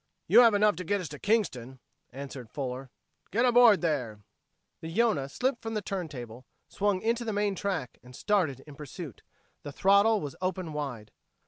"You have enough to get us to Kingston," answered Fuller. "Get aboard there!" The Yonah slipped from the turn table, swung into the main track and started in pursuit. The throttle was open wide.